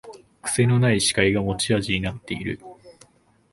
くせのない司会が持ち味になってる